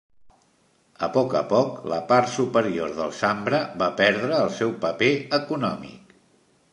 A poc a poc, la part superior del Sambre va perdre el seu paper econòmic.